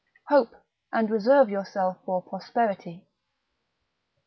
Hope, and reserve yourself for prosperity.